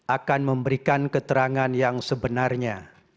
akan memberikan keterangan yang sebenarnya